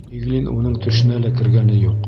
Иглин уның төшөнә лә кергәне юҡ.